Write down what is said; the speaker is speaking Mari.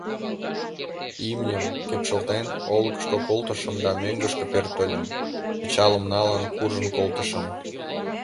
Имньым, кепшылтен, олыкышко колтышым да мӧҥгышкӧ пӧртыльым, пычалым налын куржын колтышым.